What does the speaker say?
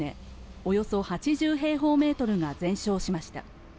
およそ８０平方メートルが全焼しました。